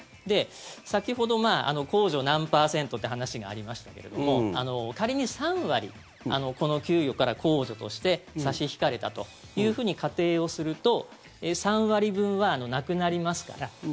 先ほど控除何パーセントって話がありましたけれども仮に３割この給与から控除として差し引かれたというふうに仮定をすると３割分はなくなりますから。